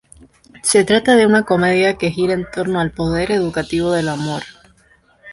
Se trata de una comedia que gira en torno al poder educativo del amor.